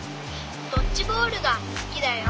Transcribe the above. ドッジボールがすきだよ。